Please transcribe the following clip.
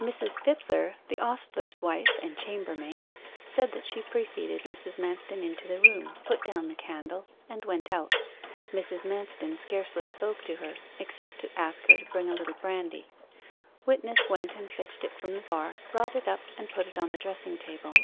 Mrs. Fitler, the ostler's wife and chambermaid, said that she preceded Mrs. Manston into the room, put down the candle, and went out. Mrs. Manston scarcely spoke to her, except to ask her to bring a little brandy. Witness went and fetched it from the bar, brought it up, and put it on the dressing table.